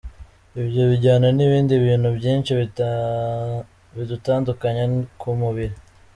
Ibyo bijyana n’ibindi bintu byinshi bidutandukanya k’umubili.